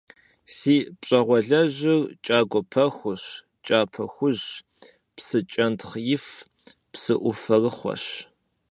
Си пщӏэгъуалэжьыр кӏагуэ пэхущ, кӏапэ хужьщ, псы кӏэнтхъ ифщ, псыӏуфэрыхъуэщ.